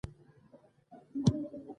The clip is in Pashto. صحت ته اهمیت ورکړي.